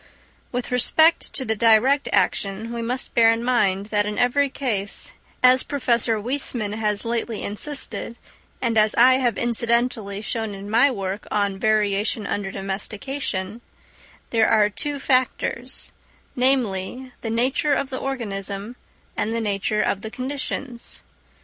With respect to the direct action, we must bear in mind that in every case, as Professor Weismann has lately insisted, and as I have incidently shown in my work on "Variation under Domestication," there are two factors: namely, the nature of the organism and the nature of the conditions.